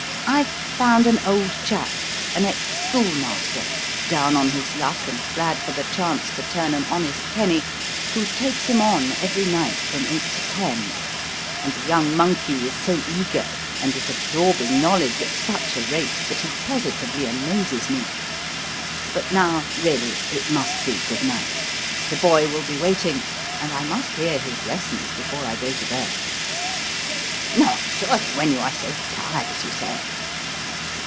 "I've found an old chap an ex schoolmaster, down on his luck and glad for the chance to turn an honest penny who takes him on every night from eight to ten; and the young monkey is so eager and is absorbing knowledge at such a rate that he positively amazes me. But now, really, it must be good night. The boy will be waiting and I must hear his lessons before I go to bed." "Not surely when you are so tired as you say?"